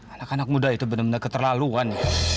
anak anak muda itu bener bener keterlaluan